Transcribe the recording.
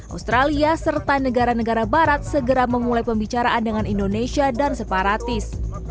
australia serta negara negara barat segera memulai pembicaraan dengan indonesia dan separatis